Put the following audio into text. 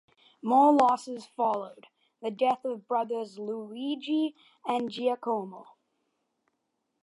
More losses followed: the death of the brothers Luigi and Giacomo.